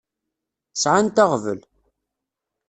Sɛant aɣbel.